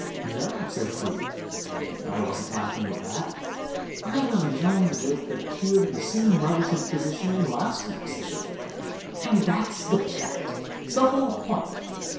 'No,' said Froude. 'I wasn't laughing at that. I was enjoying the joke that appeared in the same relative position in last week's issue.' Now that's the point the whole point.